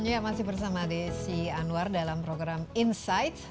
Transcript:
ya masih bersama desi anwar dalam program insight